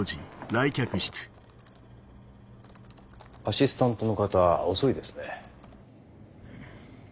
アシスタントの方遅いですね。